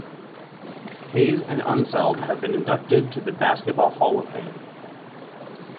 Hayes and Unseld have been inducted to the Basketball Hall of Fame.